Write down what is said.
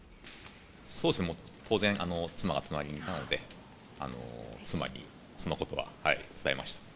そうですね、もう当然、妻が隣にいたので、妻にそのことは伝えました。